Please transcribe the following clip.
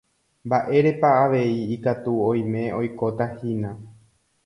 mba'érepa avei ikatu oime oikotahína